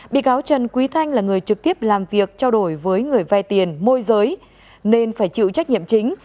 bị cáo trần quý thanh là người trực tiếp làm việc trao đổi với người vay tiền môi giới nên phải chịu trách nhiệm chính